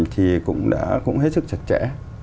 thì cũng đã hết sức chặt chẽ